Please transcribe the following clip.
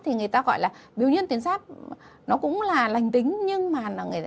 thì người ta gọi là biểu nhân tuyến giáp nó cũng là lành tính nhưng mà lại